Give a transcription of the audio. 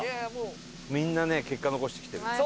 みんなね結果残してきてる。